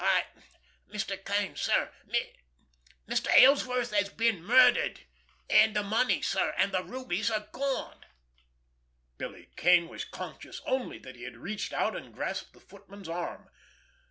I—Mr. Kane, sir—Mr. Ellsworth has been murdered, and the money, sir, and the rubies are gone." Billy Kane was conscious only that he had reached out and grasped the footman's arm.